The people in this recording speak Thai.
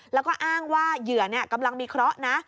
แล้วก็อ้างว่าเหยื่อกำลังมีเคราะห์นะ